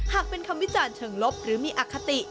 หากเป็นคำวิจารณ์เชิงลบหรือมีอคติ